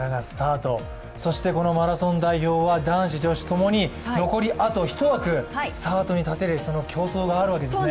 そしてこのマラソン代表は男子女子ともに残りあと１枠、スタートに立てる競争があるわけなんですね。